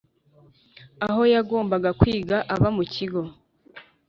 aho yagombaga kwiga aba mu kigo.